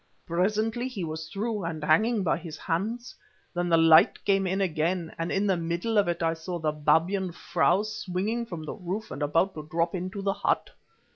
Presently he was through, and hanging by his hands. Then the light came in again, and in the middle of it I saw the Babyan frau swinging from the roof, and about to drop into the hut.